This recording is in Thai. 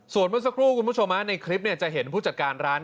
ส่วนเมื่อสักครู่คุณผู้ชมในคลิปจะเห็นผู้จัดการร้าน